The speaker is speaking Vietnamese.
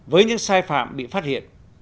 với những sai phạm bị phát hiện